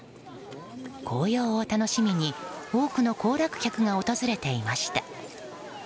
紅葉を楽しみに多くの行楽客が訪れていました。